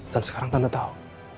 dan sekarang tante tau